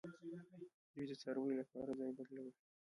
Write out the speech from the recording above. دوی د څارویو لپاره ځای بدلولو